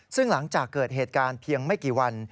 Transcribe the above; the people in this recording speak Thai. ซึ่งหลังจากเกิดเหตุการณ์เพียงไม่กี่วัน